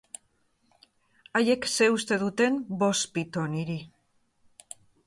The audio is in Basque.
Haiek zer uste duten, bost pito niri!